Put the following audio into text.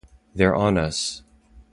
They're on us!